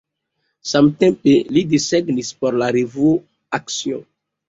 Samtempe li desegnis por la revuo "Action".